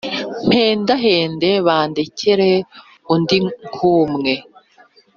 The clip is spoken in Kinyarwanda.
mpendahende Bandekere undi nk’umwe